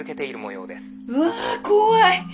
うわ怖い。